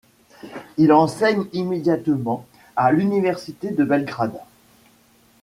Il enseigne immédiatement à l'université de Belgrade.